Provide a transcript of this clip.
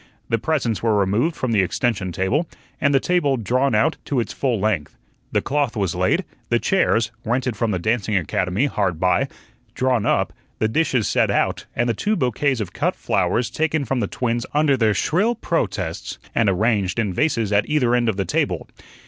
The presents were removed from the extension table and the table drawn out to its full length. The cloth was laid, the chairs rented from the dancing academy hard by drawn up, the dishes set out, and the two bouquets of cut flowers taken from the twins under their shrill protests, and "arranged" in vases at either end of the table.